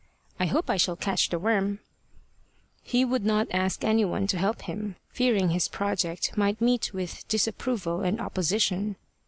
"I hope I shall catch the worm." He would not ask any one to help him, fearing his project might meet with disapproval and opposition.